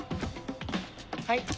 はい。